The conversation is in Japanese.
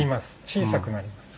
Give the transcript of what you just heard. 小さくなります。